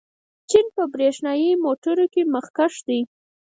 چین په برېښنايي موټرو کې مخکښ دی.